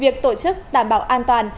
việc tổ chức đảm bảo an toàn